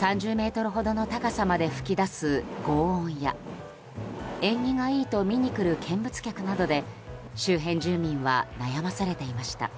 ３０ｍほどの高さまで噴き出す轟音や縁起がいいと見に来る見物客などで周辺住民は悩まされていました。